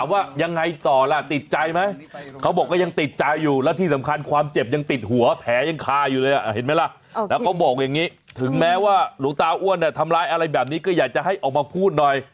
ว่าหลวงตาอ้วนเนี่ยทำร้ายอะไรแบบนี้ก็อยากจะให้ออกมาพูดหน่อย